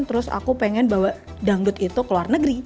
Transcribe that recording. terus aku pengen bawa dangdut itu ke luar negeri